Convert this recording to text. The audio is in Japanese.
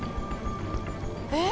えっ？